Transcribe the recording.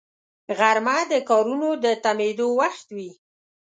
غرمه د کارونو د تمېدو وخت وي